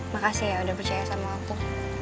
makasih ya udah percaya sama aku